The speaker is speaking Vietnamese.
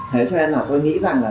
thế cho nên là tôi nghĩ rằng là